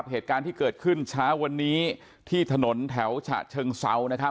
เหตุการณ์ที่เกิดขึ้นเช้าวันนี้ที่ถนนแถวฉะเชิงเซานะครับ